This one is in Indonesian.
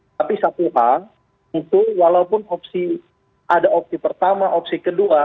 tapi satu hal itu walaupun opsi ada opsi pertama opsi kedua